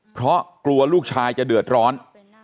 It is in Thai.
เพราะกลัวลูกชายจะเดือดร้อน